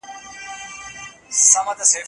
د روغتیایي قوانینو سرغړونه څه جزا لري؟